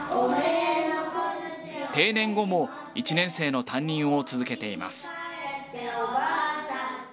定年後も、１年生の担任を続けています。